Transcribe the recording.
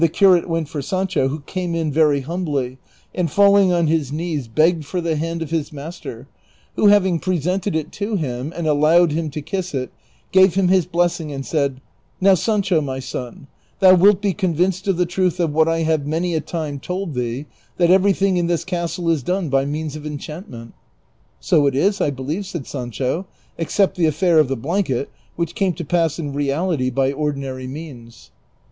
curate went for Sancho, who came in very humbly, and falling on his knees begged for the hand of his master, who having pre sented it to him and allowed him to kiss it, gave him his bless ing and said, '^ JSTow, Sancho my son, thou wilt be convinced of the truth of what I have many a time told thee, that every thing in this castle is done by means of enchantment." " So it is, I believCj" said Sancho, " except the affair of the blanket, which came to pass in reality by ordinary means."